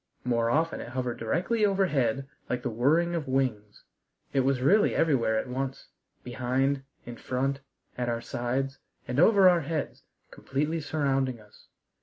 More often it hovered directly overhead like the whirring of wings. It was really everywhere at once, behind, in front, at our sides and over our heads, completely surrounding us.